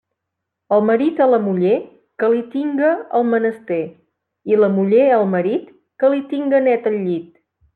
El marit a la muller, que li tinga el menester; i la muller al marit, que li tinga net el llit.